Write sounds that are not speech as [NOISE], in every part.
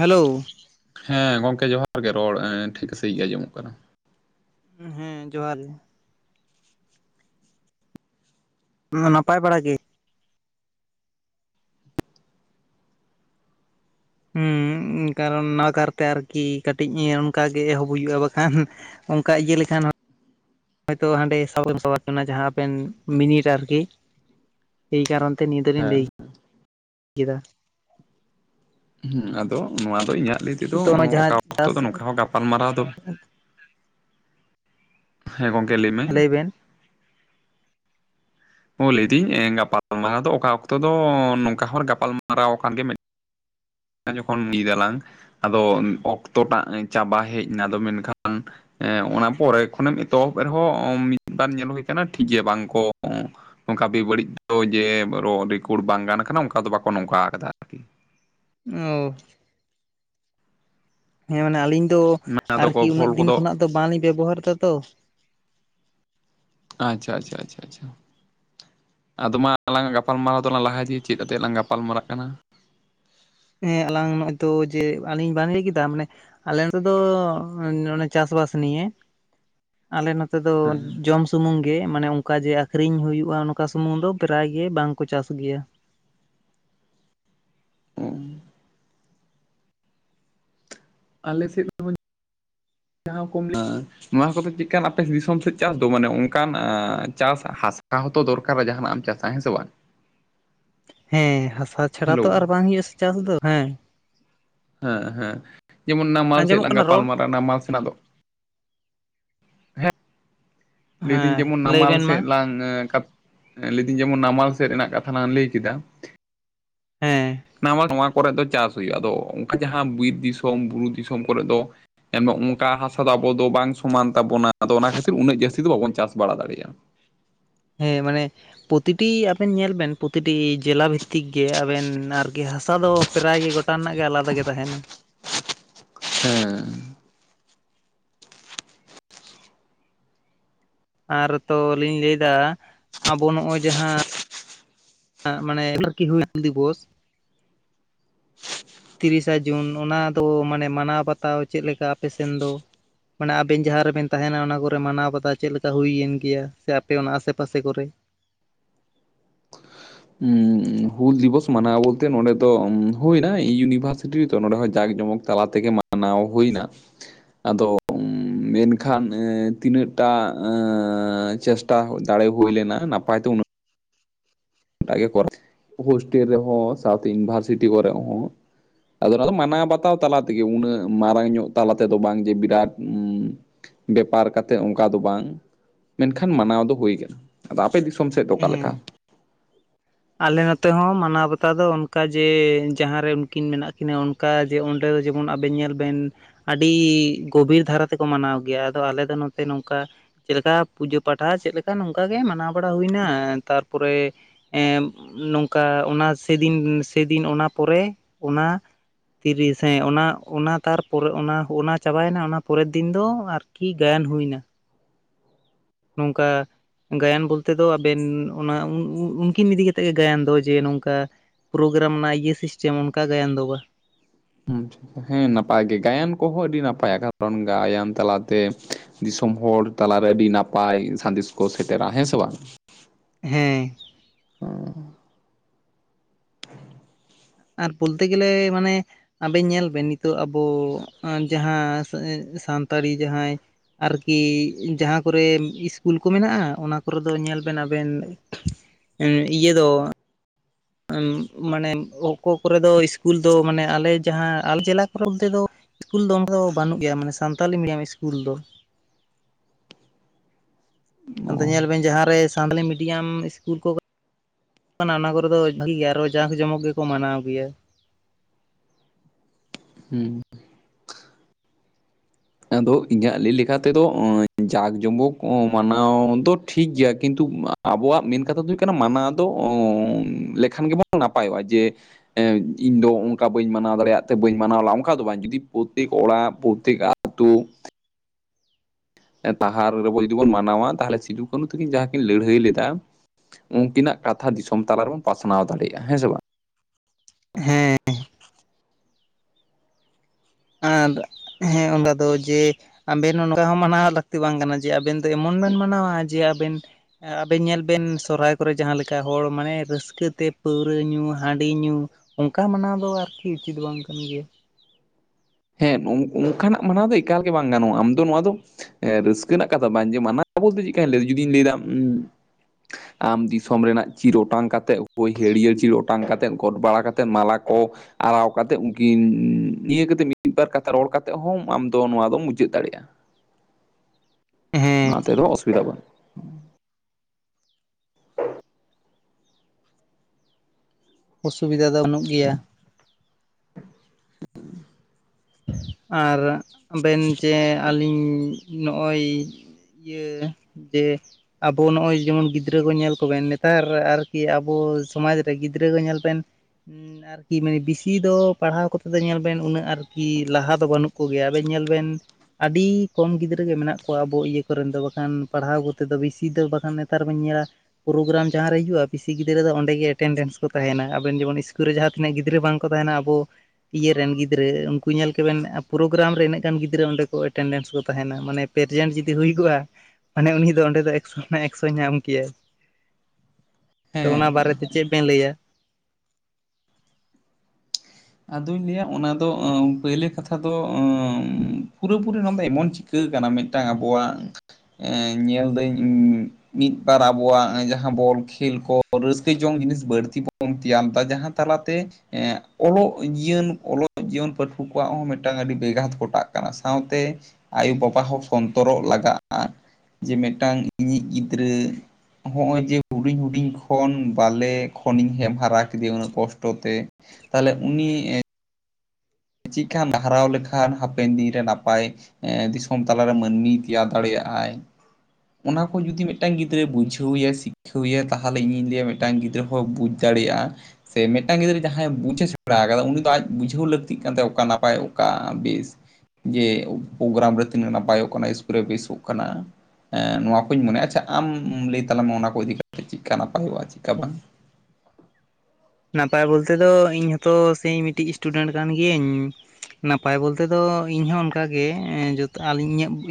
Hello ᱦᱮᱸ ᱜᱚᱝᱠᱮ ᱡᱚᱦᱟᱨ ᱜᱮ ᱨᱚᱲ ᱴᱷᱤᱠᱟᱹ ᱥᱟᱺᱦᱤᱡ ᱜᱮ ᱟᱸᱡᱚᱢᱚᱜ ᱠᱟᱱᱟ᱾ ᱦᱮᱸ ᱡᱚᱦᱟᱨ ᱜᱮ᱾ ᱱᱟᱯᱟᱭ ᱵᱟᱲᱟ ᱜᱮ᱾ ᱦᱮᱸ ᱠᱟᱨᱚᱱ ᱱᱟᱣᱟ ᱠᱟᱨᱛᱮ ᱟᱨᱠᱤ ᱠᱟᱹᱴᱤᱡ ᱚᱱᱠᱟᱜᱮ ᱮᱦᱚᱵ ᱦᱩᱭᱩᱜᱼᱟ ᱵᱟᱠᱷᱟᱱ᱾ ᱚᱱᱠᱟ, ᱤᱭᱟᱹ ᱞᱮᱠᱷᱟᱱ ᱦᱚᱸᱼᱼ ᱦᱚᱭᱛᱚ ᱦᱟᱸᱰᱮ [UNINTELLIGIBLE] ᱡᱟᱦᱟᱸ ᱟᱵᱮᱱ ᱢᱤᱱᱤᱴ ᱟᱨᱠᱤ ᱮᱭ ᱠᱟᱨᱚᱱ ᱛᱮ ᱱᱤᱭᱟᱹ ᱫᱚᱞᱤᱧ ᱦᱮᱸ ᱞᱟᱹᱭ ᱠᱮᱫᱟ ᱟᱫᱚ ᱱᱚᱣᱟ ᱫᱚ ᱤᱧᱟᱹᱜ ᱞᱟᱹᱭ ᱛᱮᱫᱚ ᱛᱚ ᱚᱱᱟ ᱡᱟᱦᱟᱸ ᱚᱠᱟ ᱚᱠᱛᱚ ᱫᱚ ᱪᱟᱥ ᱱᱚᱝᱠᱟ ᱦᱚᱸ ᱜᱟᱯᱼᱼ ᱟᱞᱢᱟᱨᱟᱣ ᱫᱚ [INAUDIBLE] ᱦᱮᱸ ᱜᱚᱝᱠᱮ ᱞᱟᱹᱭ ᱢᱮ᱾ ᱞᱟᱹᱭᱫᱟᱹᱧ ᱜᱟᱯᱟᱞᱢᱟᱨᱟᱣ ᱫᱚ ᱚᱠᱟ ᱚᱠᱛᱚ ᱫᱚ ᱱᱚᱝᱠᱟ ᱦᱚᱸ ᱜᱟᱯᱟᱞᱢᱟᱨᱟᱣ ᱟᱠᱟᱱ ᱜᱮ ᱡᱚᱠᱷᱚᱱ ᱞᱟᱹᱭ ᱫᱟᱞᱟᱝ ᱟᱫᱚ ᱚᱠᱛᱚ ᱴᱟᱜ ᱪᱟᱵᱟ ᱦᱮᱡ ᱮᱱᱟᱫᱚ, ᱢᱮᱱᱠᱷᱟᱱᱼᱼ ᱚᱱᱟ ᱯᱚᱨᱮ ᱠᱷᱚᱱᱮᱢ ᱮᱛᱚᱦᱚᱵ ᱨᱮᱦᱚᱸ, ᱢᱤᱫᱵᱟᱨ ᱧᱮᱞ ᱦᱩᱭ ᱠᱟᱱᱟ ᱴᱷᱤᱠ ᱜᱮᱭᱟ, ᱵᱟᱝ ᱠᱚᱼᱼ ᱱᱚᱝᱠᱟ ᱵᱮᱵᱟᱹᱲᱤᱡ ᱫᱚ ᱡᱮ ᱨᱮᱠᱚᱲ ᱵᱟᱝ ᱜᱟᱱ ᱠᱟᱱᱟ ᱚᱱᱠᱟ ᱫᱚ ᱵᱟᱠᱚ ᱱᱚᱝᱠᱟ ᱠᱟᱫᱟ ᱟᱨᱠᱤ ᱚᱻ ᱦᱮᱸ ᱢᱟᱱᱮ ᱟᱹᱞᱤᱧ ᱫᱚ, ᱚᱱᱟ ᱫᱚᱠᱚ ᱟᱨᱠᱤ ᱩᱱᱟᱹᱜ ᱯᱷᱚᱞ ᱫᱤᱱ ᱠᱚᱫᱚ ᱠᱷᱚᱱᱟᱜ ᱫᱚ ᱵᱟᱝᱞᱤᱧ ᱵᱮᱵᱚᱦᱟᱨ ᱮᱫᱟ ᱛᱚ᱾ ᱟᱪᱪᱷᱟ ᱟᱪᱪᱷᱟ ᱟᱪᱪᱷᱟ ᱟᱪᱪᱷᱟ ᱟᱫᱚ ᱢᱟ ᱟᱞᱟᱝᱟᱜ ᱜᱟᱯᱟᱞᱢᱟᱨᱟᱣ ᱫᱚᱞᱟᱝ ᱞᱟᱦᱟ ᱫᱮ ᱪᱮᱫ ᱟᱛᱮᱮᱫ ᱞᱟᱝ ᱜᱟᱯᱟᱞᱢᱟᱨᱟᱜ ᱠᱟᱱᱟ? ᱦᱮᱸ, ᱟᱞᱟᱝ ᱱᱚᱜᱼᱚᱭ ᱛᱚ, ᱡᱮ ᱟᱞᱤᱧ ᱵᱟᱞᱤᱧ ᱞᱟᱹᱭ ᱠᱮᱫᱟ, ᱢᱟᱱᱮᱼᱼ ᱟᱞᱮ ᱱᱚ ᱛᱮ ᱫᱚ ᱚᱱᱮ ᱪᱟᱥᱵᱟᱥ ᱱᱤᱭᱮ᱾ ᱟᱞᱮ ᱱᱚᱛᱮ ᱫᱚ ᱡᱚᱢ ᱥᱩᱢᱩᱝ ᱜᱮ, ᱢᱟᱱᱮ ᱚᱱᱠᱟ ᱡᱮ ᱟᱹᱠᱷᱨᱤᱧ ᱦᱩᱭᱩᱜᱼᱟ ᱱᱚᱝᱠᱟ ᱥᱩᱢᱩᱝ ᱫᱚ, ᱯᱨᱟᱭ ᱜᱮ ᱵᱟᱝ ᱠᱚ ᱪᱟᱥ ᱜᱮᱭᱟ᱾ ᱦᱩᱸ ᱟᱞᱮ ᱥᱮᱫ ᱦᱚᱸ [UNINTELLIGIBLE] ᱡᱟᱦᱟᱸ ᱠᱚ ᱢᱮᱱᱟᱜᱼᱟ ᱱᱚᱣᱟ ᱠᱚᱫᱚ ᱪᱮᱫ ᱠᱟᱱ ᱟᱯᱮ ᱫᱤᱥᱚᱢ ᱥᱮᱫ ᱪᱟᱥ ᱫᱚ ᱢᱟᱱᱮ ᱚᱱᱠᱟᱱ ᱪᱟᱥ ᱦᱟᱥᱟ ᱦᱚᱸᱛᱚ ᱫᱚᱨᱠᱟᱨᱟ ᱡᱟᱦᱟᱸᱱᱟᱜ ᱮᱢ ᱪᱟᱥ ᱛᱟ ᱦᱮᱸ ᱥᱮ ᱵᱟᱝ ᱦᱮᱸ ᱦᱟᱥᱟ ᱪᱷᱟᱲᱟ ᱛᱚ ᱦᱮᱞᱳ ᱟᱨ ᱵᱟᱝ ᱦᱩᱭᱩᱜ ᱟᱥᱮ ᱪᱟᱥ ᱫᱚ ᱦᱮᱸ ᱦᱮᱸ ᱦᱮᱸ ᱡᱮᱢᱚᱱ ᱱᱟᱢᱟᱞ ᱥᱮᱫ ᱟᱸᱡᱚᱢᱚᱜ ᱞᱟᱝ ᱠᱟᱱᱟ ᱨᱚᱲ ᱜᱟᱯᱟᱞᱢᱟᱨᱟᱭᱮᱱᱟ ᱱᱟᱢᱟᱞ ᱥᱮᱱᱟᱜ ᱫᱚ ᱦᱮᱸ ᱞᱟᱹᱭᱫᱟᱹᱧ ᱦᱮᱸ ᱡᱮᱢᱚᱱ ᱞᱟᱹᱭ ᱱᱟᱢᱟᱞ ᱵᱮᱱ ᱢᱟ ᱥᱮᱫ ᱞᱟᱝ ᱞᱟᱹᱭᱫᱟᱹᱧ ᱡᱮᱢᱚᱱ ᱱᱟᱢᱟᱞ ᱥᱮᱫ ᱨᱮᱱᱟᱜ ᱠᱟᱛᱷᱟ ᱞᱟᱝ ᱞᱟᱹᱭ ᱠᱮᱫᱟ ᱦᱮᱸ ᱱᱚᱣᱟ ᱠᱚᱨᱮᱜ ᱫᱚ ᱪᱟᱥ ᱦᱩᱭᱩᱜᱼᱟ ᱟᱫᱚ ᱚᱱᱠᱟ ᱡᱟᱦᱟᱸ ᱵᱤᱨ ᱫᱤᱥᱚᱢ ᱵᱩᱨᱩ ᱫᱤᱥᱚᱢ ᱠᱚᱨᱮᱜ ᱫᱚ ᱮᱱᱫᱚ ᱚᱱᱠᱟ ᱦᱟᱥᱟ ᱫᱚ ᱟᱵᱚ ᱫᱚ ᱵᱟᱝ ᱥᱚᱢᱟᱱ ᱛᱟᱵᱚᱱᱟ ᱟᱫᱚ ᱚᱱᱟ ᱠᱷᱟᱹᱛᱤᱨ ᱩᱱᱟᱹᱜ ᱡᱟᱹᱥᱛᱤ ᱫᱚ ᱵᱟᱵᱚᱱ ᱪᱟᱥ ᱵᱟᱲᱟ ᱫᱟᱲᱮᱭᱟᱜᱼᱟ ᱦᱮᱸ ᱢᱟᱱᱮᱼᱼ ᱯᱨᱚᱛᱤᱴᱤ ᱟᱵᱮᱱ ᱧᱮᱞ ᱵᱮᱱ, ᱯᱨᱚᱛᱤᱴᱤ ᱡᱮᱞᱟ ᱵᱷᱤᱛᱛᱤᱠ ᱜᱮ ᱟᱵᱮᱱ ᱟᱨᱠᱤ, ᱦᱟᱥᱟ ᱫᱚᱼᱼ ᱯᱨᱟᱭ ᱜᱮ ᱜᱚᱴᱟ ᱨᱮᱱᱟᱜ ᱜᱮ ᱟᱞᱟᱫᱟ ᱜᱮ ᱛᱟᱦᱮᱸᱱᱟ ᱦᱮᱸ ᱟᱨ ᱛᱚ ᱞᱤᱧ ᱞᱟᱹᱭᱫᱟ ᱟᱵᱚ ᱱᱚᱜᱼᱚᱭ ᱡᱟᱦᱟᱸ ᱢᱟᱱᱮ [UNINTELLIGIBLE] ᱦᱩᱞ ᱫᱤᱵᱚᱥ ᱛᱤᱨᱤᱥᱟ ᱡᱩᱱ ᱚᱱᱟ ᱫᱚ ᱢᱟᱱᱮ ᱢᱟᱱᱟᱣ ᱵᱟᱛᱟᱣ ᱪᱮᱫ ᱞᱮᱠᱟ ᱟᱯᱮ ᱥᱮᱱ ᱫᱚ ᱢᱟᱱᱮ ᱟᱵᱮᱱ ᱡᱟᱦᱟᱸ ᱨᱮᱵᱮᱱ ᱛᱟᱦᱮᱸᱱᱟ ᱚᱱᱟ ᱠᱚᱨᱮ ᱢᱟᱱᱟᱣ ᱵᱟᱛᱟᱣ ᱪᱮᱫ ᱞᱮᱠᱟ ᱦᱩᱭᱮᱱ ᱜᱮᱭᱟ ᱥᱮ ᱟᱯᱮ ᱚᱱᱟ ᱟᱥᱮ ᱯᱟᱥᱮ ᱠᱚᱨᱮ ᱦᱩᱸ ᱦᱩᱞ ᱫᱤᱵᱚᱥ ᱢᱟᱱᱟᱣ ᱵᱚᱞᱛᱮ ᱱᱚᱸᱰᱮ ᱫᱚ ᱦᱩᱭᱱᱟ ᱤᱭᱩᱱᱤᱵᱷᱟᱨᱥᱤᱴᱤ ᱨᱮᱛᱚ ᱱᱚᱸᱰᱮ ᱦᱚᱸ ᱡᱟᱠ ᱡᱚᱢᱚᱠ ᱛᱟᱞᱟ ᱛᱮᱜᱮ ᱢᱟᱱᱟᱣ ᱢᱟᱱᱟᱣ ᱦᱩᱭ ᱮᱱᱟ ᱟᱫᱚ ᱢᱮᱱᱠᱷᱟᱱ ᱛᱤᱱᱟᱹᱜ ᱴᱟᱜ ᱪᱮᱥᱴᱟ ᱫᱟᱲᱮ ᱦᱩᱭ ᱞᱮᱱᱟ ᱱᱟᱯᱟᱭ ᱛᱮ ᱩᱱᱟᱹᱜ ᱚᱱᱠᱟ ᱜᱮ ᱠᱚᱨᱟᱣ, ᱦᱳᱥᱴᱮᱞ ᱨᱮᱦᱚᱸ ᱥᱟᱶᱛᱮ ᱤᱭᱩᱱᱤᱵᱷᱟᱨᱥᱤᱴᱤ ᱠᱚᱨᱮ ᱦᱚᱸ ᱟᱫᱚ ᱚᱱᱟ ᱫᱚ ᱢᱟᱱᱟᱣ ᱵᱟᱛᱟᱣ ᱛᱟᱞᱟ ᱛᱮᱜᱮ ᱩᱱᱟᱹᱜ ᱢᱟᱨᱟᱝ ᱧᱚᱜ ᱛᱟᱞᱟ ᱛᱮᱫᱚ ᱵᱟᱝ ᱡᱮ ᱵᱤᱨᱟᱴ ᱵᱮᱯᱟᱨ ᱠᱟᱛᱮᱫ ᱚᱱᱠᱟ ᱫᱚ ᱵᱟᱝ ᱢᱮᱱᱠᱷᱟᱱ ᱢᱟᱱᱟᱣ ᱫᱚ ᱦᱩᱭ ᱟᱠᱟᱱᱟ ᱟᱫᱚ ᱟᱯᱮ ᱫᱤᱥᱚᱢ ᱥᱮᱫ ᱫᱚ ᱚᱠᱟ ᱞᱮᱠᱟ ᱦᱮᱸ ᱟᱞᱮ ᱱᱚᱛᱮ ᱦᱚᱸ ᱢᱟᱱᱟᱣ ᱵᱟᱛᱟᱣ ᱫᱚ ᱚᱱᱠᱟ ᱡᱮ ᱡᱟᱦᱟᱸ ᱨᱮ ᱩᱱᱠᱤᱱ ᱢᱮᱱᱟᱜ ᱠᱤᱱᱟ ᱚᱱᱠᱟ ᱡᱮ ᱚᱸᱰᱮ ᱫᱚ ᱡᱮᱢᱚᱱ ᱟᱵᱮᱱ ᱧᱮᱞ ᱵᱮᱱ ᱟᱹᱰᱤ ᱜᱚᱵᱤᱨ ᱫᱷᱟᱨᱟ ᱛᱮᱠᱚ ᱢᱟᱱᱟᱣ ᱜᱮᱭᱟ ᱟᱫᱚ ᱟᱞᱮ ᱫᱚ ᱱᱚᱛᱮ ᱱᱚᱝᱠᱟ ᱪᱮᱫ ᱞᱮᱠᱟ ᱯᱩᱡᱟᱹ ᱯᱟᱴᱷᱟ ᱪᱮᱫ ᱞᱮᱠᱟ ᱱᱚᱝᱠᱟ ᱜᱮ ᱢᱟᱱᱟᱣ ᱵᱟᱲᱟ ᱦᱩᱭ ᱮᱱᱟ ᱛᱟᱨᱯᱚᱨᱮ ᱮᱸ ᱱᱚᱝᱠᱟ ᱚᱱᱟ ᱥᱮᱫᱤᱱ ᱥᱮᱫᱤᱱ ᱚᱱᱟ ᱯᱚᱨᱮ ᱚᱱᱟ ᱛᱤᱨᱤᱥ ᱦᱮᱸ ᱚᱱᱟ ᱚᱱᱟ ᱛᱟᱨ ᱯᱚᱨᱮ ᱚᱱᱟ ᱚᱱᱟ ᱪᱟᱵᱟᱭᱮᱱᱟ ᱚᱱᱟ ᱯᱚᱨᱮᱨ ᱫᱤᱱ ᱫᱚ ᱟᱨ ᱠᱤ ᱜᱟᱭᱟᱱ ᱦᱩᱭ ᱮᱱᱟ ᱱᱚᱝᱠᱟ ᱜᱟᱭᱟᱱ ᱵᱚᱞᱛᱮ ᱫᱚ ᱟᱵᱮᱱ ᱚᱱᱟ ᱩᱱᱠᱤᱱ ᱤᱫᱤ ᱠᱟᱛᱮᱫ ᱜᱮ ᱜᱟᱭᱟᱱ ᱫᱚ ᱡᱮ ᱱᱚᱝᱠᱟ ᱯᱨᱳᱜᱨᱟᱢ ᱨᱮᱱᱟᱜ ᱤᱭᱟᱹ ᱥᱤᱥᱴᱮᱢ ᱚᱱᱠᱟ ᱜᱟᱭᱟᱱ ᱫᱚ ᱵᱟᱝ ᱦᱩᱸ ᱦᱮᱸ ᱱᱟᱯᱟᱭ ᱜᱮ ᱜᱟᱭᱟᱱ ᱠᱚᱦᱚᱸ ᱟᱹᱰᱤ ᱱᱟᱯᱟᱭᱟ ᱠᱟᱨᱚᱱ ᱜᱟᱭᱟᱱ ᱛᱟᱞᱟ ᱛᱮ ᱫᱤᱥᱚᱢ ᱦᱚᱲ ᱛᱟᱞᱟᱨᱮ ᱟᱹᱰᱤ ᱱᱟᱯᱟᱭ ᱥᱟᱸᱫᱮᱥ ᱠᱚ ᱥᱮᱴᱮᱨᱟ ᱦᱮᱸ ᱥᱮ ᱵᱟᱝ ᱦᱮᱸ ᱦᱚᱸ ᱟᱨ ᱵᱚᱞᱛᱮ ᱜᱮᱞᱮ ᱢᱟᱱᱮ ᱟᱵᱮᱱ ᱧᱮᱞ ᱵᱮᱱ ᱱᱤᱛᱚᱜ ᱟᱵᱚ ᱡᱟᱦᱟᱸ ᱥᱟᱱᱛᱟᱲᱤ ᱡᱟᱦᱟᱸᱭ ᱟᱨᱠᱤ ᱡᱟᱦᱟᱸ ᱠᱚᱨᱮ ᱤᱥᱠᱩᱞ ᱠᱚ ᱢᱮᱱᱟᱜᱼᱟ ᱚᱱᱟ ᱠᱚᱨᱮ ᱫᱚ ᱧᱮᱞ ᱵᱮᱱ ᱟᱵᱮᱱ ᱤᱭᱟᱹ ᱫᱚ ᱢᱟᱱᱮ ᱚᱠᱟ ᱠᱚᱨᱮ ᱫᱚ ᱤᱥᱠᱩᱞ ᱫᱚ ᱢᱟᱱᱮ ᱟᱞᱮ ᱡᱟᱦᱟᱸ ᱟᱞᱮ ᱡᱮᱞᱟ ᱠᱚᱨᱮ ᱛᱚ ᱫᱚ ᱤᱥᱠᱩᱞ ᱫᱚ ᱚᱱᱠᱟ ᱫᱚ ᱵᱟᱹᱱᱩᱜ ᱜᱮᱭᱟ ᱢᱟᱱᱮ ᱥᱟᱱᱛᱟᱞᱤ ᱢᱤᱰᱤᱭᱟᱢ ᱤᱥᱠᱩᱞ ᱫᱚ ᱚ ᱟᱫᱚ ᱧᱮᱞ ᱵᱮᱱ ᱡᱟᱦᱟᱸ ᱨᱮ ᱥᱟᱱᱛᱟᱞᱤ ᱢᱤᱰᱤᱭᱟᱢ ᱤᱥᱠᱩᱞ ᱠᱚ ᱚᱱᱟ ᱠᱚᱨᱮ ᱫᱚ ᱵᱷᱟᱹᱜᱤ ᱜᱮ ᱟᱨᱚ ᱡᱟᱸᱠ ᱡᱚᱢᱚᱠ ᱜᱮᱠᱚ ᱢᱟᱱᱟᱣ ᱜᱮᱭᱟ ᱦᱩᱸ ᱫᱚ ᱤᱧᱟᱹᱜ ᱞᱟᱹᱭ ᱞᱮᱠᱟ ᱛᱮᱫᱚ ᱡᱟᱠ ᱡᱚᱢᱚᱠ ᱢᱟᱱᱟᱣ ᱫᱚ ᱴᱷᱤᱠ ᱜᱮᱭᱟ ᱠᱤᱱᱛᱩ ᱟᱵᱚᱣᱟᱜ ᱢᱮᱱ ᱠᱟᱛᱷᱟ ᱫᱚ ᱦᱩᱭᱩᱜ ᱠᱟᱱᱟ ᱢᱟᱱᱟᱣ ᱫᱚ ᱞᱮᱠᱷᱟᱱ ᱜᱮᱵᱚᱱ ᱱᱟᱯᱟᱭᱚᱜᱼᱟ ᱡᱮ ᱦᱮᱸ ᱤᱧ ᱫᱚ ᱚᱱᱠᱟ ᱵᱟᱹᱧ ᱢᱟᱱᱟᱣ ᱫᱟᱲᱮᱭᱟᱜ ᱛᱮ ᱵᱟᱹᱧ ᱢᱟᱱᱟᱣ ᱞᱮᱫᱟ ᱚᱱᱠᱟ ᱫᱚ ᱵᱟᱝ ᱡᱩᱫᱤ ᱯᱨᱚᱛᱛᱮᱠ ᱚᱲᱟᱜ ᱯᱨᱚᱛᱛᱮᱠ ᱟᱹᱛᱩ [UNINTELLIGIBLE] ᱟᱨᱚ ᱨᱮᱵᱚ ᱡᱩᱫᱤ ᱵᱚᱱ ᱢᱟᱱᱟᱣᱟ ᱛᱟᱦᱚᱞᱮ ᱥᱤᱸᱫᱩ ᱠᱟᱸᱱᱦᱩ ᱛᱟᱹᱠᱤᱱ ᱡᱟᱦᱟᱸ ᱠᱤᱱ ᱞᱟᱹᱲᱦᱟᱹᱭ ᱞᱮᱫᱟ ᱩᱱᱠᱤᱱ ᱟᱜ ᱠᱟᱛᱷᱟ ᱫᱤᱥᱚᱢ ᱛᱟᱞᱟ ᱨᱮᱵᱚᱱ ᱯᱟᱥᱱᱟᱣ ᱫᱟᱲᱮᱭᱟᱜᱼᱟ ᱦᱮᱸ ᱥᱮ ᱵᱟᱝ ᱦᱮᱸ ᱟᱨ ᱦᱮᱸ ᱚᱱᱠᱟ ᱫᱚ ᱡᱮ ᱟᱵᱮᱱ ᱚᱱᱠᱟ ᱦᱚᱸ ᱢᱟᱱᱟᱣ ᱞᱟᱹᱠᱛᱤ ᱵᱟᱝ ᱠᱟᱱᱟ ᱡᱮ ᱟᱵᱮᱱ ᱮᱢᱚᱱ ᱵᱮᱱ ᱢᱟᱱᱟᱣᱼᱟ ᱡᱮ ᱟᱵᱮᱱ ᱟᱵᱮᱱ ᱧᱮᱞ ᱵᱮᱱ ᱥᱚᱦᱨᱟᱭ ᱠᱚᱨᱮ ᱡᱟᱦᱟᱸ ᱞᱮᱠᱟ ᱦᱚᱲ ᱢᱟᱱᱮ ᱨᱟᱹᱥᱠᱟᱹ ᱛᱮ ᱯᱟᱹᱣᱨᱟᱹ ᱧᱩ ᱦᱟᱺᱰᱤ ᱧᱩ ᱚᱱᱠᱟ ᱢᱟᱱᱟᱣ ᱫᱚ ᱟᱨᱠᱤ ᱩᱪᱤᱫ ᱵᱟᱝ ᱠᱟᱱ ᱜᱮᱭᱟ ᱦᱮᱸ ᱚᱱᱠᱟᱱᱟᱜ ᱢᱟᱱᱟᱣ ᱫᱚ ᱮᱠᱟᱞ ᱜᱮ ᱵᱟᱝ ᱜᱟᱱᱚᱜᱼᱟ ᱟᱢ ᱫᱚ ᱱᱚᱣᱟ ᱫᱚ ᱦᱮᱸ ᱨᱟᱹᱥᱠᱟᱹ ᱨᱮᱱᱟᱜ ᱠᱟᱛᱷᱟ ᱵᱟᱝ ᱡᱮ ᱢᱟᱱᱟᱣ ᱵᱚᱞᱛᱮ ᱫᱚ ᱪᱮᱫ ᱞᱮᱠᱟᱧ ᱡᱩᱫᱤᱧ ᱞᱟᱹᱭᱮᱫᱟ ᱦᱩᱸ ᱟᱢ ᱫᱤᱥᱚᱢ ᱨᱮᱱᱟᱜ ᱪᱤᱨ ᱚᱴᱟᱝ ᱠᱟᱛᱮᱫ ᱦᱳᱭ ᱦᱟᱹᱨᱭᱟᱹᱲ ᱪᱤᱨ ᱚᱴᱟᱝ ᱠᱟᱛᱮᱫ ᱜᱚᱰ ᱵᱟᱲᱟ ᱠᱟᱛᱮᱫ ᱢᱟᱞᱟ ᱠᱚ ᱟᱨᱟᱣ ᱠᱟᱛᱮᱜ ᱩᱱᱠᱤᱱ ᱤᱭᱟᱹ ᱠᱟᱛᱮᱫ ᱢᱤᱫᱵᱟᱨ ᱠᱟᱛᱷᱟ ᱨᱚᱲ ᱠᱟᱛᱮᱫ ᱦᱚᱸ ᱟᱢ ᱫᱚ ᱱᱚᱣᱟ ᱫᱚᱢ ᱢᱩᱡᱟᱹᱫ ᱫᱟᱲᱮᱭᱟᱜᱼᱟ ᱦᱮᱸ ᱚᱱᱟ ᱛᱮᱫᱚ ᱚᱥᱩᱵᱤᱫᱟ ᱵᱟᱹᱱᱩᱜ-ᱟ [UNINTELLIGIBLE] ᱚᱥᱩᱵᱤᱫᱷᱟ ᱫᱚ ᱵᱟᱹᱱᱩᱜ ᱜᱮᱭᱟ ᱟᱨ ᱟᱵᱮᱱ ᱡᱮ ᱟᱹᱞᱤᱧ ᱱᱚᱜᱼᱚᱭ ᱤᱭᱟᱹ ᱡᱮ ᱟᱵᱚ ᱱᱚᱜᱼᱚᱭ ᱡᱮᱢᱚᱱ ᱜᱤᱫᱽᱨᱟᱹ ᱠᱚ ᱧᱮᱞ ᱠᱚᱵᱮᱱ ᱱᱮᱛᱟᱨ ᱟᱨᱠᱤ ᱟᱵᱚ ᱥᱚᱢᱟᱡᱽ ᱨᱮ ᱜᱤᱫᱽᱨᱟᱹ ᱧᱮᱞ ᱵᱮᱱ ᱟᱨᱠᱤ ᱢᱟᱱᱮ ᱵᱮᱥᱤ ᱫᱚ ᱯᱟᱲᱦᱟᱣ ᱠᱚᱛᱮ ᱫᱚ ᱧᱮᱞ ᱵᱮᱱ ᱩᱱᱟᱹᱜ ᱟᱨᱠᱤ ᱠᱤ ᱞᱟᱦᱟ ᱫᱚ ᱵᱟᱹᱱᱩᱜ ᱠᱚᱜᱮᱭᱟ ᱟᱵᱮᱱ ᱧᱮᱞ ᱵᱮᱱ ᱟᱹᱰᱤ ᱠᱚᱢ ᱜᱤᱫᱽᱨᱟᱹ ᱜᱮ ᱢᱮᱱᱟᱜ ᱠᱚᱣᱟ ᱟᱵᱚ ᱤᱭᱟᱹ ᱠᱚᱨᱮᱱ ᱫᱚ ᱵᱟᱝᱠᱷᱟᱱ ᱯᱟᱲᱦᱟᱣ ᱠᱚᱛᱮ ᱫᱚ ᱵᱮᱥᱤ ᱫᱚ ᱵᱟᱝᱠᱷᱟᱱ ᱱᱮᱛᱟᱨ ᱵᱚᱱ ᱧᱮᱞᱟ ᱯᱨᱳᱜᱨᱟᱢ ᱡᱟᱦᱟᱸᱨᱮ ᱦᱩᱭᱩᱜᱼᱟ ᱵᱤᱥᱤ ᱜᱤᱫᱽᱨᱟᱹ ᱫᱚ ᱚᱸᱰᱮ ᱜᱮ ᱮᱴᱮᱱᱰᱮᱱᱥ ᱠᱚ ᱛᱟᱦᱮᱱᱟ ᱟᱵᱮᱱ ᱡᱮᱢᱚᱱ ᱤᱥᱠᱩᱞ ᱨᱮ ᱡᱟᱦᱟᱸ ᱛᱤᱱᱟᱹᱜ ᱜᱤᱫᱽᱨᱟᱹ ᱵᱟᱝᱠᱚ ᱛᱟᱦᱮᱱᱟ ᱟᱵᱚ ᱤᱭᱟᱹ ᱨᱮᱱ ᱜᱤᱫᱽᱨᱟᱹ ᱩᱱᱠᱩ ᱧᱮᱞᱮᱵᱮᱱ ᱯᱨᱳᱜᱨᱟᱢ ᱨᱮ ᱤᱱᱟᱹᱜ ᱜᱟᱱ ᱜᱤᱫᱽᱨᱟᱹ ᱚᱸᱰᱮ ᱠᱚ ᱮᱴᱮᱱᱰᱮᱱᱥ ᱠᱚ ᱛᱟᱦᱮᱱᱟ ᱢᱟᱱᱮ ᱯᱨᱮᱡᱮᱱᱴ ᱡᱩᱫᱤ ᱦᱩᱭᱠᱚᱜᱼᱟ ᱢᱟᱱᱮ ᱩᱱᱤ ᱫᱚ ᱚᱸᱰᱮ ᱫᱚ ᱮᱠᱥᱚ ᱠᱷᱚᱱᱟᱜ ᱮᱠᱥᱚᱭ ᱧᱟᱢ ᱠᱮᱭᱟᱭ ᱛᱚ ᱦᱮᱸ ᱚᱱᱟ ᱦᱮᱸ ᱵᱟᱨᱮ ᱛᱮ ᱦᱮᱸ ᱪᱮᱫ ᱵᱮᱱ ᱞᱟᱹᱭᱟ ᱟᱫᱚᱧ ᱞᱟᱹᱭᱟ ᱚᱱᱟ ᱫᱚ ᱯᱳᱭᱞᱟᱹ ᱠᱟᱛᱷᱟ ᱫᱚ ᱯᱩᱨᱟᱹᱯᱩᱨᱤ ᱫᱚ ᱮᱢᱚᱱ ᱪᱮᱫ ᱠᱟᱱᱟ ᱤᱭᱟᱹ ᱠᱟᱱᱟ ᱢᱤᱫᱴᱟᱝ ᱟᱵᱚᱣᱟᱜ ᱧᱮᱞ ᱫᱟᱹᱧ ᱢᱤᱫᱵᱟᱨ ᱟᱵᱚᱣᱟᱜ ᱡᱟᱦᱟᱸ ᱵᱚᱞ ᱠᱷᱮᱞ ᱠᱚ ᱨᱟᱹᱥᱠᱟᱹ ᱡᱚᱝ ᱡᱤᱱᱤᱥ ᱵᱟᱹᱲᱛᱤ ᱵᱚᱱ ᱛᱮᱭᱟᱨ ᱮᱫᱟ ᱡᱟᱦᱟᱸ ᱛᱟᱞᱟ ᱛᱮ ᱮᱸᱜ ᱚᱞᱚᱜ ᱡᱤᱭᱚᱱ ᱚᱞᱚᱜ ᱡᱤᱭᱚᱱ ᱯᱟᱹᱴᱷᱩᱣᱟᱹ ᱠᱚᱣᱟᱜ ᱦᱚᱸ ᱢᱤᱫᱴᱟᱝ ᱟᱹᱰᱤ ᱵᱮᱜᱷᱟᱛ ᱜᱚᱴᱟᱜ ᱠᱟᱱᱟ ᱥᱟᱶᱛᱮ ᱟᱭᱳᱼᱵᱟᱵᱟ ᱦᱚᱸ ᱥᱚᱱᱛᱚᱨᱼᱚᱜ ᱞᱟᱜᱟᱜᱼᱟ ᱡᱮ ᱢᱤᱫᱴᱟᱝ ᱤᱧᱤᱡ ᱜᱤᱫᱽᱨᱟᱹ ᱦᱚᱸᱜᱼᱚᱭ ᱡᱮ ᱦᱩᱰᱤᱧ ᱦᱩᱰᱤᱧ ᱠᱷᱚᱱ ᱵᱟᱞᱮ ᱠᱷᱚᱱᱤᱧ ᱦᱮᱢ ᱦᱟᱨᱟ ᱠᱮᱫᱮᱭᱟ ᱩᱱᱟᱹᱜ ᱠᱚᱥᱴᱚ ᱛᱮ ᱛᱟᱦᱞᱮ ᱩᱱᱤ ᱪᱮᱫ ᱠᱟᱢ ᱦᱟᱨᱟᱣ ᱞᱮᱠᱷᱟᱱ ᱦᱟᱯᱮᱱ ᱫᱤᱱᱨᱮ ᱱᱟᱯᱟᱭ ᱦᱮᱸ ᱫᱤᱥᱚᱢ ᱛᱟᱞᱟᱨᱮ ᱢᱟᱹᱱᱢᱤᱭ ᱛᱮᱭᱟᱨ ᱫᱟᱲᱮᱭᱟᱜᱼᱟᱭ ᱚᱱᱟ ᱠᱚ ᱡᱩᱫᱤ ᱢᱤᱫᱴᱟᱝ ᱜᱤᱫᱽᱨᱟᱹ ᱵᱩᱡᱷᱟᱹᱣ ᱮᱭᱟ ᱥᱤᱠᱠᱷᱟᱹᱣ ᱮᱭᱟ ᱛᱟᱦᱚᱞᱮ ᱤᱧᱤᱧ ᱞᱟᱹᱭᱟ ᱢᱤᱫ ᱢᱤᱫᱴᱟᱝ ᱜᱤᱫᱽᱨᱟᱹ ᱦᱚᱸᱭ ᱵᱩᱡᱽ ᱫᱟᱲᱮᱭᱟᱜᱼᱟ ᱥᱮ ᱢᱤᱫᱴᱟᱝ ᱜᱤᱫᱽᱨᱟᱹ ᱡᱟᱦᱟᱸᱭ ᱵᱩᱡ ᱮ ᱥᱮᱬᱟ ᱟᱠᱟᱫᱟ ᱩᱱᱤ ᱫᱚ ᱟᱡ ᱵᱩᱡᱷᱟᱹᱣ ᱞᱟᱹᱠᱛᱤ ᱛᱟᱭᱟ ᱚᱠᱟ ᱱᱟᱯᱟᱭ ᱚᱠᱟ ᱵᱮᱥ ᱡᱮ ᱯᱨᱳᱜᱨᱟᱢ ᱨᱮ ᱛᱤᱱᱟᱹᱜ ᱱᱟᱯᱟᱭᱚᱜ ᱠᱟᱱᱟ ᱤᱥᱠᱩᱞ ᱨᱮ ᱵᱮᱥᱚᱜ ᱠᱟᱱᱟ ᱱᱚᱣᱟ ᱠᱚᱧ ᱢᱚᱱᱮᱭᱟ ᱟᱪᱪᱷᱟ ᱟᱢ ᱞᱟᱹᱭ ᱛᱟᱞᱟᱝ ᱢᱮ ᱚᱱᱟ ᱠᱚ ᱤᱫᱤ ᱠᱟᱛᱮᱫ ᱪᱮᱫᱠᱟᱜ ᱱᱟᱯᱟᱭᱚᱜᱼᱟ ᱪᱮᱫᱠᱟ ᱵᱟᱝ ᱱᱟᱯᱟᱭ ᱵᱚᱞᱛᱮ ᱫᱚ ᱤᱧ ᱦᱚᱛᱚ ᱥᱮ ᱢᱤᱫᱴᱤᱡ ᱤᱥᱴᱩᱰᱮᱱᱴ ᱠᱟᱱ ᱜᱤᱭᱟᱹᱧ ᱱᱟᱯᱟᱭ ᱵᱚᱞᱛᱮ ᱫᱚ ᱤᱧᱦᱚᱸ ᱚᱱᱠᱟ ᱜᱮ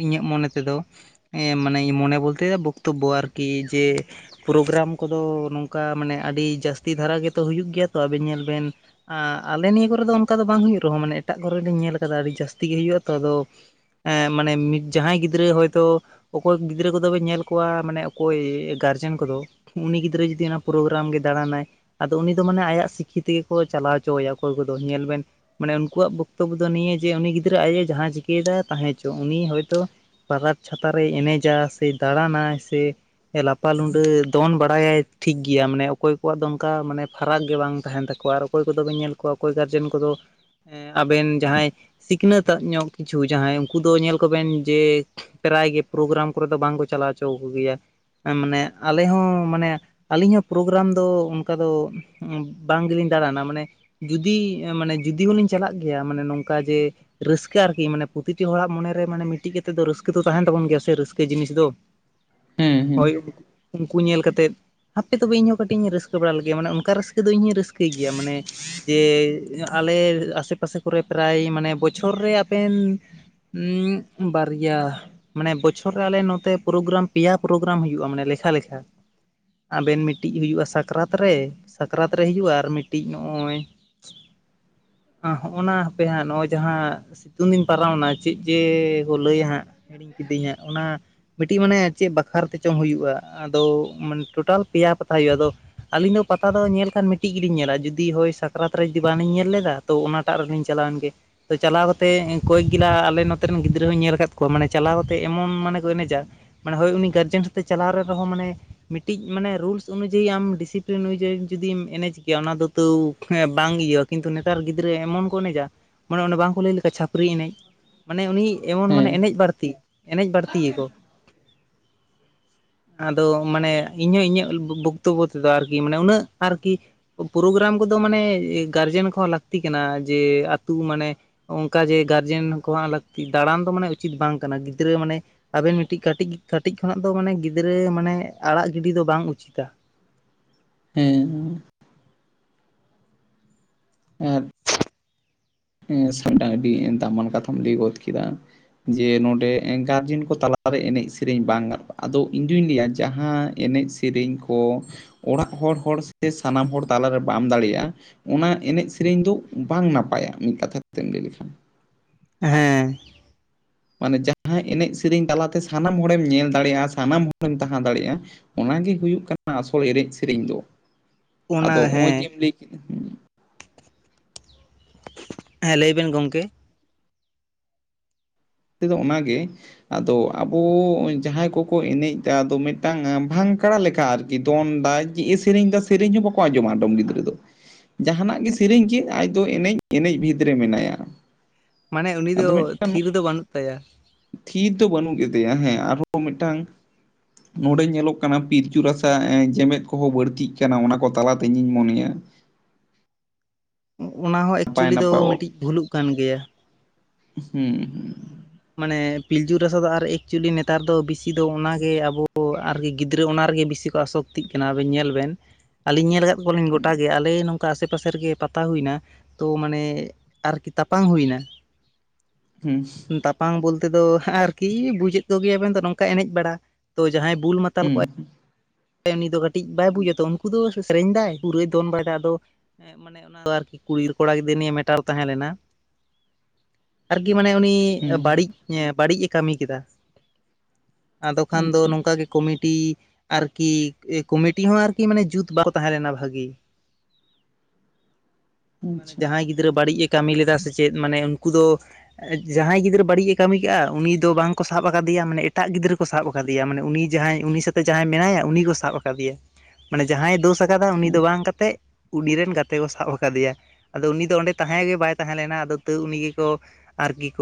ᱤᱧᱟᱹᱜ ᱢᱚᱱᱮ ᱛᱮᱫᱚ ᱢᱟᱱᱮ ᱢᱚᱱᱮ ᱵᱚᱞᱛᱮ ᱵᱚᱠᱛᱚᱵᱵᱚ ᱟᱨᱠᱤ ᱡᱮ ᱯᱨᱳᱜᱨᱟᱢ ᱠᱚᱫᱚ ᱱᱚᱝᱠᱟ ᱢᱟᱱᱮ ᱟᱹᱰᱤ ᱡᱟᱹᱥᱛᱤ ᱫᱷᱟᱨᱟ ᱜᱮᱛᱚ ᱦᱩᱭᱩᱜ ᱜᱮᱭᱟ ᱛᱚ ᱟᱵᱤᱱ ᱧᱮᱞ ᱵᱮᱱ ᱟᱞᱮ ᱱᱤᱭᱟᱹ ᱠᱚᱨᱮ ᱫᱚ ᱚᱱᱠᱟ ᱫᱚ ᱵᱟᱝ ᱦᱩᱭᱩᱜ ᱨᱮᱦᱚᱸ ᱢᱟᱱᱮ ᱮᱴᱟᱜ ᱠᱚᱨᱮ ᱞᱤᱧ ᱧᱮᱞ ᱠᱟᱫᱟ ᱟᱹᱰᱤ ᱡᱟᱹᱥᱛᱤ ᱜᱮ ᱦᱩᱭᱩᱜᱼᱟ ᱛᱚ ᱟᱫᱚ ᱦᱮᱸ ᱢᱟᱱᱮ ᱡᱟᱦᱟᱸᱭ ᱜᱤᱫᱽᱨᱟᱹ ᱦᱳᱭ ᱛᱚ ᱚᱠᱚᱭ ᱜᱤᱫᱽᱨᱟᱹ ᱠᱚᱫᱚ ᱵᱮᱱ ᱧᱮᱞ ᱠᱚᱣᱟ ᱢᱟᱱᱮ ᱚᱠᱚᱭ ᱜᱟᱨᱡᱮᱱ ᱠᱚᱫᱚ ᱩᱱᱤ ᱜᱤᱫᱽᱨᱟᱹ ᱡᱩᱫᱤ ᱚᱱᱟ ᱯᱨᱳᱜᱨᱟᱢ ᱜᱮ ᱫᱟᱬᱟᱱᱟᱭ ᱟᱫᱚ ᱩᱱᱤ ᱫᱚ ᱢᱟᱱᱮ ᱟᱭᱟᱜ ᱥᱤᱠᱤ ᱛᱮᱜᱮ ᱠᱚ ᱪᱟᱞᱟᱣ ᱦᱚᱪᱚ ᱟᱭᱟ ᱚᱠᱚᱭ ᱠᱚᱫᱚ ᱧᱮᱞ ᱵᱮᱱ ᱢᱟᱱᱮ ᱩᱱᱠᱩᱣᱟᱜ ᱵᱚᱠᱛᱚᱵᱵᱚ ᱫᱚ ᱱᱤᱭᱟᱹ ᱡᱮ ᱩᱱᱤ ᱜᱤᱫᱽᱨᱟᱹ ᱟᱡ ᱮ ᱡᱟᱦᱟᱸ ᱪᱤᱠᱟᱹᱭᱮᱫᱟᱭ ᱛᱟᱦᱮᱸ ᱦᱚᱪᱚ ᱩᱱᱤ ᱦᱚᱭᱛᱳ ᱯᱟᱨᱟᱠ ᱪᱷᱟᱛᱟᱨ ᱨᱮᱭ ᱮᱱᱮᱡᱟ ᱥᱮ ᱫᱟᱬᱟᱱᱟᱭ ᱥᱮ ᱞᱟᱯᱟ ᱞᱩᱸᱰᱟᱹ ᱫᱚᱱ ᱵᱟᱲᱟᱭᱟᱭ ᱴᱷᱤᱠ ᱜᱮᱭᱟ ᱢᱟᱱᱮ ᱚᱠᱚᱭ ᱠᱚᱣᱟᱜ ᱫᱚᱱ ᱚᱱᱠᱟ ᱢᱟᱱᱮ ᱯᱷᱟᱨᱟᱠ ᱜᱮ ᱵᱟᱝ ᱛᱟᱦᱮᱱ ᱛᱟᱠᱚᱣᱟ ᱟᱨ ᱚᱠᱚᱭ ᱠᱚᱫᱚ ᱵᱮᱱ ᱧᱮᱞ ᱠᱚᱣᱟ ᱚᱠᱚᱭ ᱜᱟᱨᱡᱮᱱ ᱠᱚᱫᱚ ᱟᱵᱮᱱ ᱡᱟᱦᱟᱸᱭ ᱥᱤᱠᱷᱱᱟᱹᱛ ᱟᱜ ᱧᱚᱜ ᱠᱤᱪᱷᱩ ᱡᱟᱦᱟᱸᱭ ᱩᱱᱠᱩ ᱫᱚ ᱧᱮᱞ ᱠᱚᱵᱮᱱ ᱡᱮ ᱯᱨᱟᱭ ᱜᱮ ᱯᱨᱳᱜᱨᱟᱢ ᱠᱚᱨᱮ ᱫᱚ ᱵᱟᱝᱠᱚ ᱪᱟᱞᱟᱣ ᱪᱚᱣ ᱟᱠᱚ ᱜᱮᱭᱟ ᱢᱟᱱᱮ ᱟᱞᱮ ᱦᱚᱸ ᱢᱟᱱᱮ ᱟᱹᱞᱤᱧ ᱦᱚᱸ ᱯᱨᱳᱜᱨᱟᱢ ᱫᱚ ᱚᱱᱠᱟ ᱫᱚ ᱵᱟᱝ ᱜᱮᱞᱤᱧ ᱫᱟᱬᱟᱱᱟ ᱢᱟᱱᱮ ᱡᱩᱫᱤ ᱢᱟᱱᱮ ᱡᱩᱫᱤ ᱦᱚᱸᱞᱤᱧ ᱪᱟᱞᱟᱜ ᱜᱮᱭᱟ ᱢᱟᱱᱮ ᱱᱚᱝᱠᱟ ᱡᱮ ᱨᱟᱹᱥᱠᱟᱹ ᱟᱨᱠᱤ ᱢᱟᱱᱮ ᱯᱨᱚᱛᱤᱴᱤ ᱦᱚᱲᱟᱜ ᱢᱚᱱᱮᱨᱮ ᱢᱟᱱᱮ ᱢᱤᱫᱴᱤᱡ ᱠᱟᱛᱮᱫ ᱫᱚ ᱨᱟᱹᱥᱠᱟᱹ ᱫᱚ ᱛᱟᱦᱮᱱ ᱛᱟᱵᱚᱱ ᱜᱮᱭᱟ ᱥᱮ ᱨᱟᱹᱥᱠᱟᱹ ᱡᱤᱱᱤᱥ ᱫᱚ ᱦᱮᱸ ᱦᱮᱸ ᱦᱳᱭ ᱩᱱᱠᱩ ᱧᱮᱞ ᱠᱟᱛᱮ ᱦᱟᱯᱮ ᱛᱚᱵᱮ ᱤᱧ ᱦᱚᱸ ᱠᱟᱹᱴᱤᱡ ᱤᱧ ᱨᱟᱹᱥᱠᱟᱹ [INAUDIBLE] ᱵᱟᱲᱟ ᱞᱮ ᱜᱮᱭᱟ ᱢᱟᱱᱮ ᱚᱱᱠᱟ ᱨᱟᱹᱥᱠᱟᱹ ᱫᱚ ᱤᱧ ᱨᱟᱹᱥᱠᱟᱹᱭ ᱜᱮᱭᱟ ᱢᱟᱱᱮ ᱡᱮ ᱟᱞᱮ ᱟᱥᱮ ᱯᱟᱥᱮ ᱠᱚᱨᱮ ᱯᱨᱟᱭ ᱢᱟᱱᱮ ᱵᱚᱪᱷᱚᱨ ᱨᱮ ᱟᱵᱮᱱ ᱩᱸ ᱵᱟᱨᱭᱟ ᱢᱟᱱᱮ ᱵᱚᱪᱷᱚᱨ ᱨᱮ ᱟᱞᱮ ᱱᱚᱛᱮ ᱯᱨᱳᱜᱨᱟᱢ ᱯᱮᱭᱟ ᱯᱨᱳᱜᱨᱟᱢ ᱦᱩᱭᱩᱜᱼᱟ ᱢᱟᱱᱮ ᱞᱮᱠᱷᱟ ᱞᱮᱠᱷᱟ ᱟᱵᱮᱱ ᱢᱤᱫᱴᱤᱡ ᱦᱩᱭᱩᱜᱼᱟ ᱥᱟᱠ ᱠᱨᱟᱛ ᱨᱮ ᱥᱟᱠᱨᱟᱛ ᱨᱮ ᱦᱤᱡᱩᱜᱼᱟ ᱟᱨ ᱢᱤᱫᱴᱤᱡ ᱱᱚᱜᱼᱚᱭ ᱦᱚᱜᱼᱱᱟ ᱦᱟᱯᱮ ᱦᱟᱸᱜ ᱱᱚᱜᱼᱚᱭ ᱡᱟᱦᱟᱸ ᱥᱤᱛᱩᱝ ᱫᱤᱱ ᱯᱟᱨᱟᱣᱱᱟ ᱪᱮᱫ ᱡᱮ ᱠᱚ ᱞᱟᱹᱭᱟ ᱦᱟᱸᱜ ᱦᱤᱲᱤᱧ ᱠᱤᱫᱤᱧ ᱦᱟᱸᱜ ᱚᱱᱟ ᱢᱤᱫᱴᱤᱡ ᱢᱟᱱᱮ ᱪᱮᱫ ᱵᱟᱠᱷᱟᱨ ᱛᱮ ᱪᱚ ᱦᱩᱭᱩᱜᱼᱟ ᱟᱫᱚ ᱟᱱᱮ ᱴᱳᱴᱟᱞ ᱯᱮᱭᱟ ᱯᱟᱛᱟ ᱦᱩᱭᱩᱜᱼᱟ ᱟᱫᱚ ᱟᱹᱞᱤᱧ ᱫᱚ ᱯᱟᱛᱟ ᱫᱚ ᱧᱮᱞ ᱠᱷᱟᱱ ᱢᱤᱫᱴᱤᱡ ᱜᱮᱞᱤᱧ ᱧᱮᱞᱟ ᱡᱩᱫᱤ ᱦᱳᱭ ᱥᱟᱠᱨᱟᱛ ᱨᱮ ᱡᱩᱫᱤ ᱵᱟᱞᱤᱧ ᱧᱮᱞ ᱞᱮᱫᱟ ᱛᱚ ᱚᱱᱟᱴᱟᱜ ᱨᱮᱞᱤᱧ ᱪᱟᱞᱟᱣᱮᱱ ᱜᱮ ᱛᱚ ᱪᱟᱞᱟᱣ ᱠᱟᱛᱮ ᱠᱚᱭᱮᱠ ᱜᱤᱞᱟ ᱟᱞᱮ ᱱᱚᱛᱮ ᱨᱮᱱ ᱜᱤᱫᱽᱨᱟᱹ ᱦᱚᱸᱧ ᱧᱮᱞ ᱟᱠᱟᱫ ᱠᱚᱣᱟ ᱢᱟᱱᱮ ᱪᱟᱞᱟᱣ ᱠᱟᱛᱮ ᱮᱢᱚᱱ ᱢᱟᱱᱮ ᱠᱚ ᱮᱱᱮᱡᱟ ᱢᱟᱱᱮ ᱦᱳᱭ ᱩᱱᱤ ᱜᱟᱨᱡᱮᱱ ᱥᱟᱛᱮᱜ ᱪᱟᱞᱟᱣ ᱨᱮᱦᱚᱸ ᱢᱟᱱᱮ ᱢᱤᱫᱴᱤᱡ ᱢᱟᱱ ᱨᱩᱞᱥ ᱚᱱᱩᱡᱟᱭᱤ ᱟᱢ ᱰᱤᱥᱤᱯᱞᱤᱱ ᱩᱱᱩᱡᱟᱹᱭᱤ ᱡᱩᱫᱤᱢ ᱮᱱᱮᱡ ᱜᱮᱭᱟ ᱚᱱᱟ ᱫᱚ ᱛᱟᱹᱣ ᱵᱟᱝ ᱤᱭᱟᱹᱣᱟ ᱠᱤᱱᱛᱩ ᱱᱮᱛᱟᱨ ᱜᱤᱫᱽᱨᱟᱹ ᱮᱢᱚᱱ ᱠᱚ ᱮᱱᱮᱡᱟ ᱢᱟᱱᱮ ᱚᱱᱮ ᱵᱟᱝᱠᱚ ᱞᱟᱹᱭ ᱞᱮᱠᱟ ᱪᱷᱟᱹᱯᱨᱤ ᱮᱱᱮᱡ ᱢᱟᱱᱮ ᱩᱱᱤ ᱮᱢᱚᱱ ᱢᱟᱱᱮ ᱦᱮᱸ ᱮᱱᱮᱡ ᱵᱟᱹᱲᱛᱤ ᱮᱱᱮᱡ ᱵᱟᱹᱲᱛᱤᱭᱟᱠᱚ ᱟᱫᱚ ᱢᱟᱱᱮ ᱤᱧ ᱦᱚᱸ ᱤᱧᱟᱹᱜ ᱵᱚᱠᱛᱚᱵᱚᱛ ᱟᱨᱠᱤ ᱢᱟᱱᱮ ᱩᱱᱟᱹᱜ ᱟᱨᱠᱤ ᱯᱨᱳᱜᱨᱟᱢ ᱠᱚᱫᱚ ᱢᱟᱱᱮ ᱜᱟᱨᱡᱮᱱ ᱠᱚᱦᱚᱸ ᱞᱟᱹᱠᱛᱤ ᱠᱟᱱᱟ ᱡᱮ ᱟᱹᱛᱩ ᱢᱟᱱᱮ ᱚᱱᱠᱟ ᱡᱮ ᱜᱟᱨᱡᱮᱱ ᱠᱚᱶᱟᱜ ᱞᱟᱹᱠᱛᱤ ᱫᱟᱬᱟᱱ ᱫᱚ ᱢᱟᱱᱮ ᱩᱪᱤᱛ ᱵᱟᱝ ᱠᱟᱱᱟ ᱜᱤᱫᱽᱨᱟᱹ ᱢᱟᱱᱮ ᱟᱵᱮᱱ ᱢᱤᱫᱴᱤᱡ ᱠᱟᱹᱴᱤᱡ ᱠᱟᱹᱴᱤᱡ ᱠᱷᱚᱱᱟᱜ ᱫᱚ ᱢᱟᱱᱮ ᱜᱤᱫᱽᱨᱟᱹ ᱢᱟᱱᱮ ᱟᱲᱟᱜ ᱜᱤᱰᱤ ᱫᱚ ᱵᱟᱝ ᱩᱪᱤᱛᱟ ᱦᱮᱸ ᱟᱨ [INAUDIBLE] ᱟᱹᱰᱤ ᱫᱟᱢᱟᱱ ᱠᱟᱛᱷᱟᱢ ᱞᱟᱹᱭ ᱜᱚᱫ ᱠᱮᱫᱟ ᱡᱮ ᱱᱚᱰᱮ ᱜᱟᱨᱡᱮᱱ ᱠᱚ ᱛᱟᱞᱟᱨᱮ ᱮᱱᱮᱡ ᱥᱮᱨᱮᱧ ᱵᱟᱝ ᱜᱟᱱᱚᱜᱼᱟ ᱟᱫᱚ ᱤᱧ ᱫᱩᱧ ᱞᱟᱹᱭᱟ ᱡᱟᱦᱟᱸ ᱮᱱᱮᱡ ᱥᱮ ᱥᱮᱨᱮᱧ ᱠᱚ ᱚᱲᱟᱜ ᱦᱚᱲ ᱦᱚᱲᱜᱮ ᱥᱮ ᱥᱟᱱᱟᱢ ᱦᱚᱲ ᱛᱟᱞᱟᱨᱮ ᱵᱟᱢ ᱫᱟᱲᱮᱭᱟᱜᱼᱟ ᱚᱱᱟ ᱮᱱᱮᱡ ᱥᱮᱨᱮᱧ ᱫᱚ ᱵᱟᱝ ᱱᱟᱯᱟᱭᱟ ᱢᱤᱫ ᱠᱟᱛᱷᱟ ᱛᱮᱢ ᱞᱟᱹᱭ ᱞᱮᱠᱷᱟᱱ ᱦᱮᱸ ᱢᱟᱱᱮ ᱡᱟᱦᱟᱸᱭ ᱮᱱᱮᱡ ᱥᱮᱨᱮᱧ ᱛᱟᱞᱟᱛᱮ ᱥᱟᱱᱟᱢ ᱦᱚᱲᱮᱢ ᱧᱮᱞ ᱫᱟᱲᱮᱭᱟᱜᱼᱟ ᱥᱟᱱᱟᱢ ᱦᱚᱲᱮᱢ ᱛᱟᱦᱟᱸ ᱫᱟᱲᱮᱭᱟᱜᱼᱟ ᱚᱱᱟᱜᱮ ᱦᱩᱭᱩᱜ ᱠᱟᱱᱟ ᱟᱥᱚᱞ ᱮᱱᱮᱡ ᱥᱮᱨᱮᱧ ᱫᱚ ᱚᱱᱟ ᱟᱫᱚ ᱱᱚᱜᱼᱚᱭ ᱦᱮᱸ ᱡᱮᱢ ᱞᱟᱹᱭ ᱠᱮᱫᱟ ᱦᱮᱸ ᱞᱟᱹᱭ ᱵᱮᱱ ᱜᱚᱝᱠᱮ ᱛᱮᱫᱚ ᱚᱱᱟᱜᱮ ᱟᱫᱚ ᱟᱵᱚ ᱡᱟᱦᱟᱸᱭ ᱠᱚᱠᱚ ᱮᱱᱮᱡ ᱮᱫᱟ ᱟᱫᱚ ᱢᱤᱫᱴᱟᱝ ᱵᱷᱟᱝ ᱠᱟᱸᱲᱟ ᱞᱮᱠᱟ ᱟᱨ ᱠᱤ ᱫᱚᱱ ᱮᱫᱟ ᱪᱮᱫ ᱮ ᱥᱮᱨᱮᱧ ᱮᱫᱟ ᱥᱮᱨᱮᱧ ᱦᱚᱸ ᱵᱟᱠᱚ ᱟᱸᱡᱚᱢᱟ ᱟᱰᱚᱢ ᱜᱤᱫᱽᱨᱟᱹ ᱫᱚ ᱡᱟᱦᱟᱱᱟᱜ ᱜᱮ ᱥᱮᱨᱮᱧ ᱠᱮᱜ ᱟᱡ ᱫᱚ ᱮᱱᱮᱡ ᱮᱱᱮᱡ ᱵᱷᱤᱛ ᱨᱮ ᱢᱮᱱᱟᱭᱟ ᱢᱟᱱᱮ ᱩᱱᱤ ᱫᱚ ᱟᱫᱚ ᱢᱤᱫᱴᱟᱝ ᱛᱷᱤᱨ ᱫᱚ ᱵᱟᱹᱱᱩᱜ ᱛᱟᱭᱟ ᱛᱷᱤᱨ ᱫᱚ ᱵᱟᱹᱱᱩᱜ ᱠᱮᱫᱮᱭᱟ ᱦᱮᱸ ᱟᱨᱦᱚᱸ ᱢᱤᱫᱴᱟᱝ ᱱᱚᱸᱰᱮ ᱧᱮᱞᱚᱜ ᱠᱟᱱᱟ ᱯᱤᱞᱪᱩ ᱨᱟᱥᱟ ᱮᱸ ᱡᱮᱢᱮᱫ ᱠᱚᱠᱚ ᱵᱟᱹᱲᱛᱤᱜ ᱠᱟᱱᱟ ᱚᱱᱟ ᱠᱚ ᱛᱟᱞᱟᱛᱮ ᱤᱧᱤᱧ ᱢᱚᱱᱮᱭᱟ ᱚᱱᱟ ᱦᱚᱸ ᱱᱟᱯᱟᱭ ᱮᱠᱪᱩᱞᱤ ᱫᱚ ᱱᱟᱯᱟᱭ ᱚᱞ ᱢᱤᱫᱴᱤᱡ ᱵᱷᱩᱞᱩᱜ ᱠᱟᱱ ᱜᱮᱭᱟ ᱦᱩᱸ ᱦᱩᱸ ᱢᱟᱱᱮ ᱯᱤᱞᱪᱩ ᱨᱟᱥᱟ ᱫᱚ ᱟᱨ ᱮᱠᱪᱩᱞᱤ ᱱᱮᱛᱟᱨ ᱫᱚ ᱵᱤᱥᱤ ᱫᱚ ᱚᱱᱟᱜᱮ ᱟᱵᱚ ᱟᱨᱠᱤ ᱜᱤᱫᱽᱨᱟᱹ ᱚᱱᱟ ᱨᱮᱜᱮ ᱵᱤᱥᱤ ᱟᱥᱚᱠᱛᱤᱜ ᱠᱟᱱᱟ ᱟᱵᱮᱱ ᱧᱮᱞ ᱵᱮᱱ ᱟᱹᱞᱤᱧ ᱧᱮᱞ ᱦᱟᱠᱟᱫ ᱠᱚᱣᱟᱞᱤᱧ ᱜᱚᱴᱟ ᱜᱮ ᱟᱞᱮ ᱱᱚᱝ ᱠᱟ ᱟᱥᱮ ᱯᱟᱥᱮ ᱨᱮᱜᱮ ᱯᱟᱛᱟ ᱦᱩᱭᱱᱟ ᱛᱚ ᱢᱟᱱᱮ ᱟᱨᱠᱤ ᱛᱟᱯᱟᱝ ᱦᱩᱭᱱᱟ ᱦᱮᱸ ᱛᱟᱯᱟᱝ ᱵᱚᱞᱛᱮ ᱫᱚ ᱟᱨᱠᱤ ᱵᱩᱡᱮᱫ ᱛᱚ ᱜᱮᱭᱟ ᱵᱮᱱ ᱫᱚ ᱱᱚᱝᱠᱟ ᱮᱱᱮᱡ ᱵᱟᱲᱟ ᱛᱚ ᱡᱟᱦᱟᱸᱭ ᱵᱩᱞ ᱢᱟ ᱛᱟᱞ ᱦᱩᱸ ᱠᱚᱭ ᱦᱩᱸ ᱩᱱᱤ ᱫᱚ ᱠᱟᱹᱴᱤᱡ ᱵᱟᱭ ᱵᱩᱡᱟᱛᱚ ᱩᱱᱠᱩ ᱫᱚ ᱥᱮ ᱥᱮᱨᱮᱧ ᱫᱟᱭ ᱯᱩᱨᱟᱹᱭ ᱫᱚᱱ ᱵᱟᱨᱟᱭ ᱫᱟ ᱟᱫᱚ ᱢᱟᱱᱮ ᱚᱱᱟ ᱫᱚ ᱟᱨᱠᱤ ᱠᱩᱲᱤ ᱟᱨ ᱠᱚᱲᱟ ᱜᱤᱫᱽᱱᱟᱹ ᱱᱤᱭᱮ ᱢᱮᱴᱟᱞ ᱛᱟᱦᱮᱸ ᱞᱮᱱᱟ ᱟᱨᱠᱤ ᱢᱟᱱᱮ ᱩᱱᱤ ᱦᱩᱸ ᱵᱟᱹᱲᱤᱡ ᱵᱟᱹᱲᱤᱡᱼᱮ ᱠᱟᱹᱢᱤ ᱠᱮᱫᱟ ᱟᱫᱚ ᱠᱷᱟᱱ ᱫᱚ ᱟᱪᱪᱷᱟ ᱱᱚᱝᱠᱟ ᱜᱮ ᱠᱚᱢᱤᱴᱤ ᱟᱨᱠᱤ ᱠᱚᱢᱤᱴᱤ ᱦᱚᱸ ᱟᱨᱠᱤ ᱢᱟᱱᱮ ᱡᱩᱛ ᱵᱟᱝ ᱛᱟᱦᱮᱸ ᱞᱮᱱᱟ ᱵᱷᱟᱹᱜᱤ [INAUDIBLE] ᱢᱟᱱᱮ ᱟᱪᱪᱷᱟ ᱡᱟᱦᱟᱸᱭ ᱜᱤᱫᱽᱨᱟᱹ ᱵᱟᱹᱲᱤᱡ ᱮ ᱠᱟᱹᱢᱤ ᱞᱮᱫᱟ ᱥᱮ ᱪᱮᱫ ᱢᱟᱱᱮ ᱩᱱᱠᱩ ᱫᱚ ᱡᱟᱦᱟᱸᱭ ᱜᱤᱫᱟᱹ ᱵᱟᱹᱲᱤᱡ ᱮ ᱠᱟᱹᱢᱤ ᱠᱮᱜᱼᱟ ᱩᱱᱤ ᱫᱚ ᱵᱟᱝ ᱠᱚ ᱥᱟᱵᱽ ᱟᱠᱟᱫᱮᱭᱟ ᱢᱟᱱᱮ ᱮᱴᱟᱜ ᱜᱤᱫᱽᱨᱟᱹ ᱠᱚ ᱥᱟᱵ ᱟᱠᱟᱫᱮᱭᱟ ᱢᱟᱱᱮ ᱩᱱᱤ ᱡᱟᱦᱟᱸᱭ ᱩᱱᱤ ᱥᱟᱛ ᱡᱟᱦᱟᱸᱭ ᱢᱮᱱᱟᱭᱟ ᱩᱱᱤ ᱠᱚ ᱥᱟᱵ ᱠᱟᱫᱮᱭᱟ ᱢᱟᱱᱮ ᱡᱟᱦᱟᱸᱭ ᱫᱳᱥ ᱟᱠᱟᱫᱟ ᱩᱱᱤ ᱦᱮᱸ ᱫᱚ ᱵᱟᱝ ᱠᱟᱛᱮᱫ ᱩᱱᱤ ᱨᱮᱱ ᱜᱟᱛᱮ ᱠᱚ ᱥᱟᱵ ᱟᱠᱟᱫᱮᱭᱟ ᱟᱫᱚ ᱩᱱᱤ ᱫᱚ ᱚᱸᱰᱮ ᱛᱟᱦᱮᱸ ᱜᱮ ᱵᱟᱭ ᱛᱟᱦᱮᱸ ᱞᱮᱱᱟ ᱟᱫᱚ ᱛᱟᱹᱣ ᱩᱱᱤ ᱜᱮᱠᱚ ᱟᱨᱠᱤ ᱠᱚ